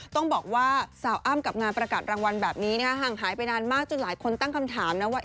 ต้องบอกว่าสาวอ้ำกับงานประกาศรางวัลแบบนี้ห่างหายไปนานมากจนหลายคนตั้งคำถามนะว่า